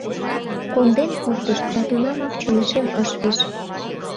Конден пуртышт, да тунамак чонешем ыш пиж.